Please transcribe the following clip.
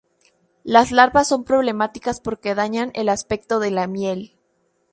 Las larvas son problemáticas porque dañan el aspecto de la miel.